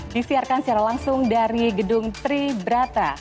disiarkan secara langsung dari gedung tri brata